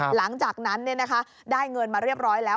หลังจากนั้นได้เงินมาเรียบร้อยแล้ว